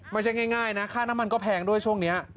ไม่ใช่ง่ายนะค่าน้ำมันก็แพงด้วยช่วงนี้